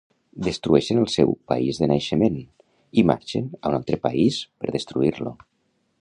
Destrueixen el seu país de naixement i marxen a un altre país per destruir-lo